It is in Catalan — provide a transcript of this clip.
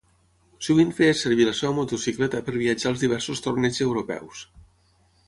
Sovint feia servir la seva motocicleta per viatjar als diversos torneigs europeus.